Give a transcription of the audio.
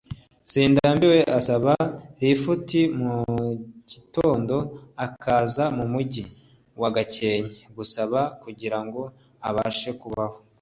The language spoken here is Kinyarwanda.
Sindambiwe asaba lifuti mugitondo akaza mu Mujyi wa Gakenke gusaba kugira ngo abashe kubaho